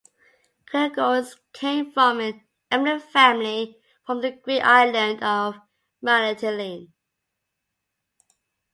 Crinagoras came from an eminent family from the Greek Island of Mytilene.